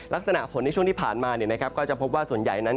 ลักษณะฝนในช่วงที่ผ่านมาก็จะพบว่าส่วนใหญ่นั้น